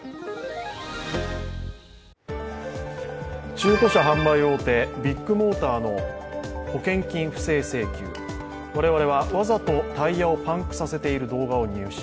中古車販売大手、ビッグモーターの保険金不正請求、我々はわざとタイヤをパンクさせている動画を入手。